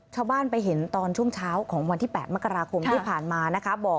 ชาวบ้านไปเห็นตอนช่วงเช้าของวันที่๘มกราคมที่ผ่านมานะคะ